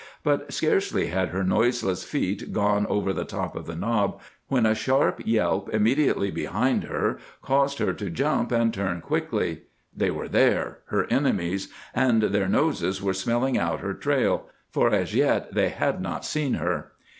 But scarcely had her noiseless feet gone over the top of the knob, when a sharp yelp immediately behind her caused her to jump and turn quickly. They were there—her enemies—and their noses were smelling out her trail, for as yet they had not seen her.